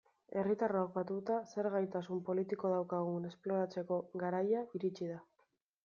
Herritarrok, batuta, zer gaitasun politiko daukagun esploratzeko garaia iritsi da.